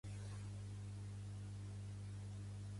"Som, som, som, som, som enginyers"!